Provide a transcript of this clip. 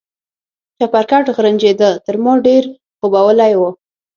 چپرکټ غرنجېده، تر ما ډېر خوبولی و.